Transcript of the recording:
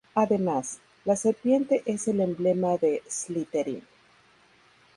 Además, la serpiente es el emblema de Slytherin.